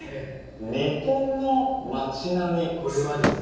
日本の街並みこれはですね